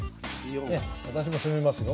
私も攻めますよ。